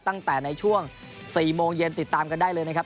ตั้งแต่ในช่วง๔โมงเย็นติดตามกันได้เลยนะครับ